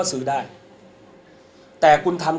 คุณพูดไว้แล้วตั้งแต่ต้นใช่ไหมคะ